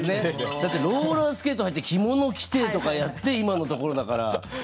だってローラースケート履いて着物着てとかやって今のところだから。